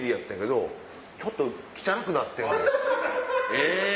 え！